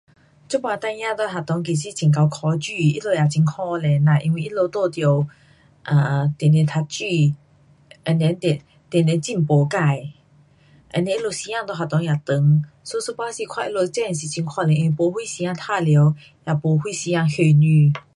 这次孩儿在学堂其实很会考书，他们也很可怜呐，因为他们也得啊，直直读书 and then 直直进步自，and then 他们时间在学堂也长，就一半时看他们真的是很可怜，没什时间玩耍，也没啥时间休息。